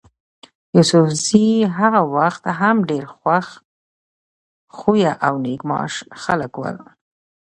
يوسفزي هغه وخت هم ډېر خوش خویه او نېک معاش خلک ول.